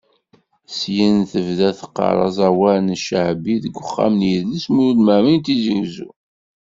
Syin tebda teqqar aẓawan n cceɛbi deg Uxxam n yidles Mulud Mɛemmeri n Tizi Uzzu.